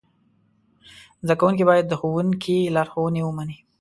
زده کوونکي باید د ښوونکي لارښوونې ومني.